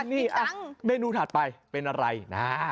นี่เมนูถัดไปเป็นอะไรนะ